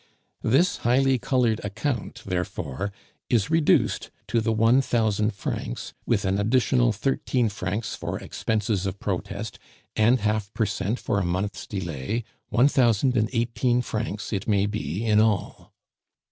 This highly colored account, therefore, is reduced to the one thousand francs, with an additional thirteen francs for expenses of protest, and half per cent for a month's delay, one thousand and eighteen francs it may be in all.